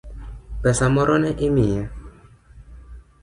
Pesa moro ne imiya?